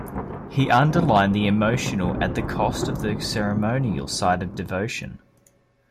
He underlined the emotional at the cost of the ceremonial side of devotion.